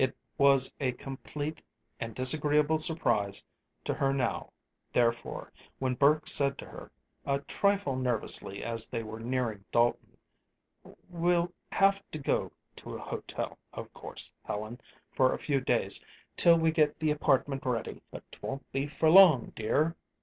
It was a complete and disagreeable surprise to her now, therefore, when Burke said to her, a trifle nervously, as they were nearing Dalton: "We'll have to go to a hotel, of course, Helen, for a few days, till we get the apartment ready. But 'twon't be for long, dear."